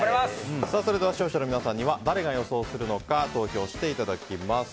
それでは視聴者の皆さんには誰が勝利するのか予想していただきます。